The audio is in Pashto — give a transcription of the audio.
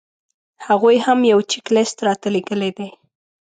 هغوی هم یو چیک لیست راته رالېږلی دی.